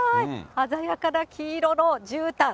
鮮やかな黄色のじゅうたん。